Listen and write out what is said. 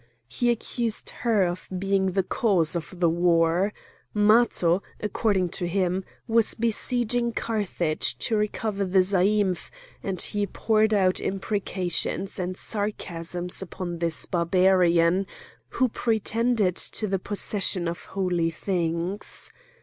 He accused her of being the cause of the war. Matho, according to him, was besieging Carthage to recover the zaïmph; and he poured out imprecations and sarcasms upon this Barbarian who pretended to the possession of holy things.